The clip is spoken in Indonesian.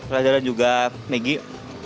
reza dan juga maggie